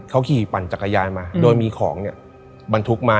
เขาขี่ปั่นจักรยานมาโดยมีของเนี่ยบรรทุกมา